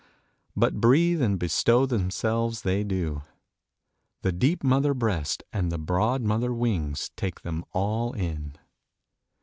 But breathe and bestow themselves they do. The deep mother breast and the broad mother wings take them all in.